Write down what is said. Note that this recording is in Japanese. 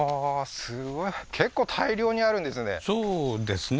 結構大量にあるんですね